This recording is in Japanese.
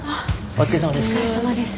お疲れさまです。